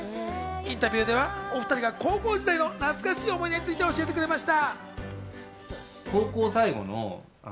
インタビューでは、お２人が高校時代の懐かしの思い出について教えてくれました。